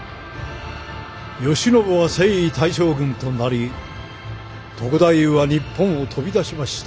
慶喜は征夷大将軍となり篤太夫は日本を飛び出しました。